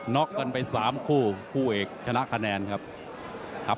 งบไป๓คู่คู่เอกชนะคะแนนครับ